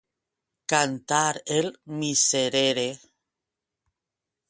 Cantar el miserere.